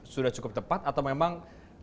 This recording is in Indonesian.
sudah cukup tepat atau memang